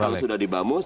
kalau sudah di bamus